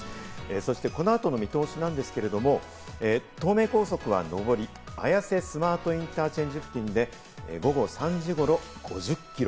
そして、この後の見通しなんですけれども、東名高速は上り・綾瀬スマートインターチェンジ付近で午後３時頃、５０キロ。